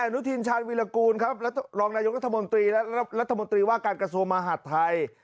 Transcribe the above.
นุทินชาญวิรากูลครับรองนายกรัฐมนตรีและรัฐมนตรีว่าการกระทรวงมหาดไทย